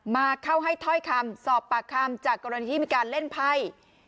มาเข้าให้ถ้อยคำสอบปากคำจากกรณีที่มีการเล่นไพ่